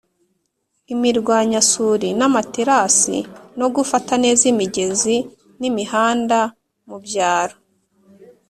imirwanyasuri n'amaterasi no gufata neza imigezi n'imihanda mu byaro;